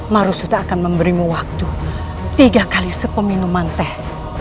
marusuda akan memberimu waktu tiga kali sepeminuman teh